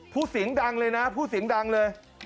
ผู้สิงดังเลยนะผู้สิงดังเลย